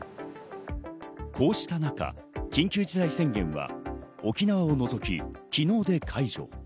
こうした中、緊急事態宣言は沖縄を除き昨日で解除。